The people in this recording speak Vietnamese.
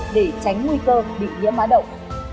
để tránh nguy cơ bị nhiễm mã động